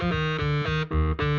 kau mau ngapain